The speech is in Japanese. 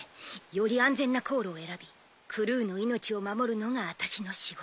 より安全な航路を選びクルーの命を守るのが私の仕事。